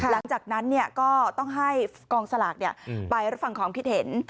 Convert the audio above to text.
หลังจากนั้นก็ต้องให้กองสลากไปรับฟังความคิดเห็น